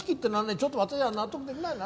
ちょっと私は納得できないな。